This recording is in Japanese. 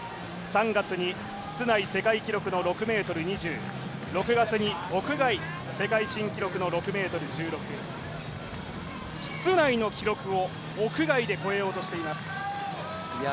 ３月に室内世界記録の６ｍ２０、６月に屋外世界新記録の６ｍ１６、室内の記録を屋外で超えようとしています。